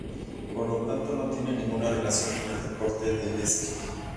Por lo tanto, no tiene ninguna relación con el deporte del esquí.